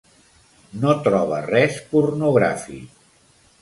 No troba res pornogràfic.